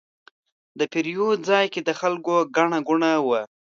د پیرود ځای کې د خلکو ګڼه ګوڼه وه.